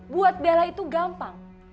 buat bella itu gampang